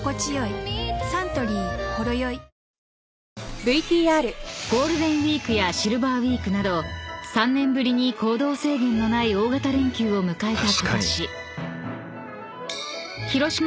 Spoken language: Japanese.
サントリー「ほろよい」［ゴールデンウイークやシルバーウイークなど３年ぶりに行動制限のない大型連休を迎えたことし］